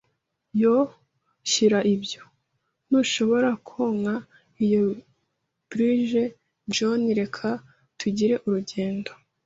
“Yoo, shyira ibyo! Ntushobora kwonka iyo bilge, John. Reka tugire urugendo